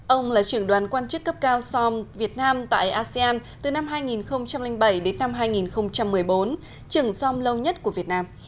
ông là trưởng đoàn quan chức cấp cao som việt nam tại asean từ năm hai nghìn bảy đến năm hai nghìn một mươi bốn trưởng som lâu nhất của việt nam